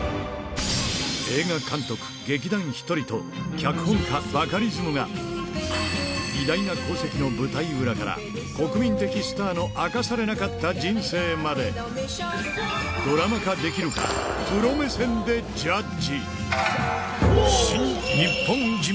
映画監督、劇団ひとりと脚本家、バカリズムが、偉大な功績の舞台裏から、国民的スターの明かされなかった人生まで、ドラマ化できるか、プロ目線でジャッジ。